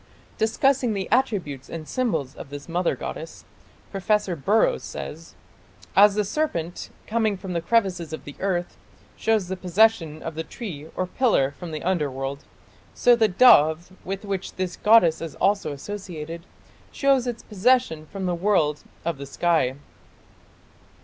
" Discussing the attributes and symbols of this mother goddess, Professor Burrows says: "As the serpent, coming from the crevices of the earth, shows the possession of the tree or pillar from the underworld, so the dove, with which this goddess is also associated, shows its possession from the world of the sky".